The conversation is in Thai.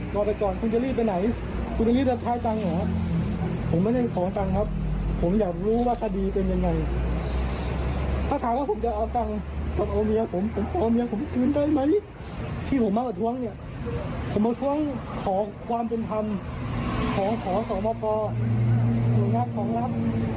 ของสารจับใจเลยครับ